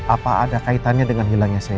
apa ada kaitannya dengan hilangnya saya